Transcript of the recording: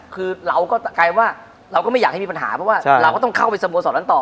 คือเราก็กลายว่าเราก็ไม่อยากให้มีปัญหาเพราะว่าเราก็ต้องเข้าไปสโมสรนั้นต่อ